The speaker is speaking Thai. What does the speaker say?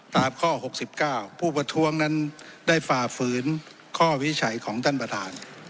ตามข้อ๖๙ผู้ประท้วงนั้นได้ฝ่าฝืนข้อวิจัยของท่านประธาน